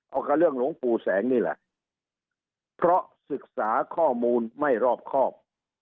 เอากับเรื่องหลวงปู่แสงนี่แหละเพราะศึกษาข้อมูลไม่รอบครอบ